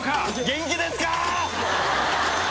元気ですかー！